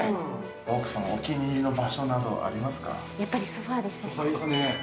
奥様、お気に入りの場所などソファですね。